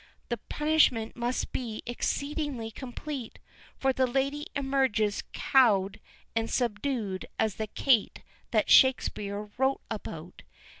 The punishment must be exceedingly complete, for the lady emerges cowed and subdued as the Kate that Shakespeare wrote about.